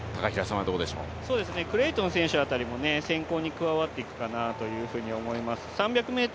クレイトン選手あたりも先行に加わっていくかなと思います。